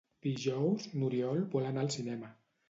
Dijous n'Oriol vol anar al cinema.